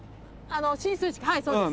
進水式はいそうです。